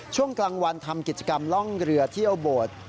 ช่วงกลางวันทำกิจกรรมล่องเรือเที่ยวโบสถ์